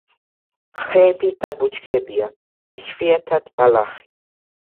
ხეები და ბუჩქებია, იშვიათად ბალახი.